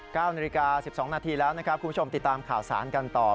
๙นาฬิกา๑๒นาทีแล้วนะครับคุณผู้ชมติดตามข่าวสารกันต่อ